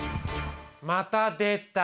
また出た。